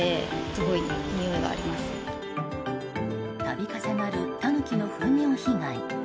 度重なるタヌキの糞尿被害。